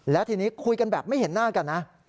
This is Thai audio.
แล้วทีนี้คุยกันแบบไม่เห็นหน้ากันนะ